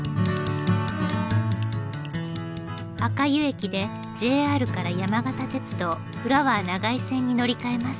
赤湯駅でＪＲから山形鉄道フラワー長井線に乗り換えます。